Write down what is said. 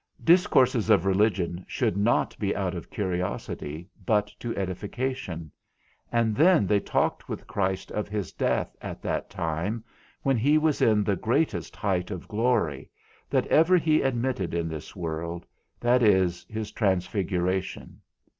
Discourses of religion should not be out of curiosity, but to edification. And then they talked with Christ of his death at that time when he was in the greatest height of glory, that ever he admitted in this world, that is, his transfiguration.